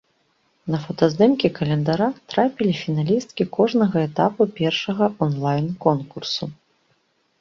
На фотаздымкі календара трапілі фіналісткі кожнага этапу першага онлайн-конкурсу.